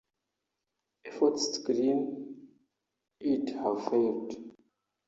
Efforts to clean it have failed.